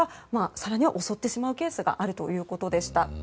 更には、襲ってしまうケースがあるということでした。